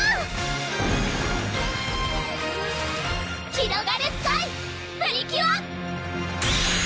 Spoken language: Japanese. ひろがるスカイ！プリキュア！